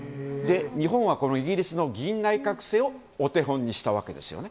日本は、このイギリスの議院内閣制をお手本にしたわけですよね。